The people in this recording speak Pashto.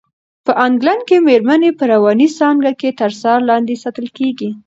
په انګلنډ کې مېرمنې په رواني څانګه کې تر څار لاندې ساتل کېږي.